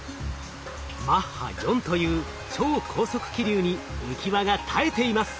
マッハ４という超高速気流に浮き輪が耐えています。